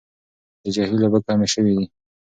د جهيل اوبه کمې شوې دي.